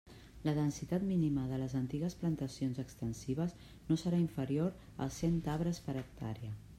La densitat mínima de les antigues plantacions extensives no serà inferior als cent arbres per hectàrea.